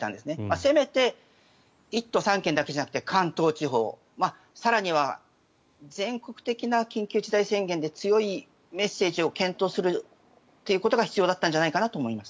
せめて１都３県だけじゃなくて関東地方更には全国的な緊急事態宣言で強いメッセージを検討するということが必要だったんじゃないかなと思います。